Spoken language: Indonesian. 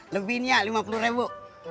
lebihnya lima puluh ribu